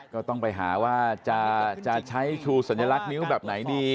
ก็ต้องไปหาว่าจะใช้ชูสัญลักษณ์นิ้วแบบไหนดี